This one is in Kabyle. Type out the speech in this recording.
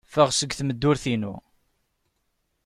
Ffeɣ seg tmeddurt-inu.